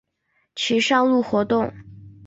其上路活动。